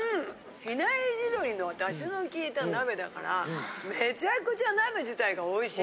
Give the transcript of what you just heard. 比内地鶏のダシのきいた鍋だからめちゃくちゃ鍋自体がおいしい。